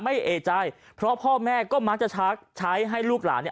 เอกใจเพราะพ่อแม่ก็มักจะชักใช้ให้ลูกหลานเนี่ย